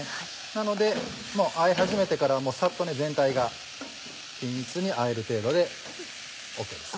なのであえ始めてからはサッと全体が均一にあえる程度でＯＫです。